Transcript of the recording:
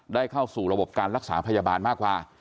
เข้าสู่ระบบการรักษาพยาบาลมากกว่า